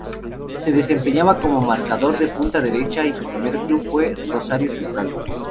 Se desempeñaba como marcador de punta derecha y su primer club fue Rosario Central.